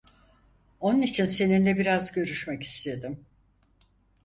Onun için seninle biraz görüşmek istedim.